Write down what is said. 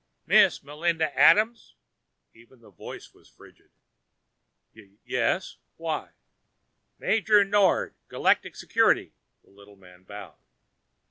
"Mrs. Melinda Adams?" Even the voice was frigid. "Y Yes. Why " "Major Nord, Galactic Security." The little man bowed.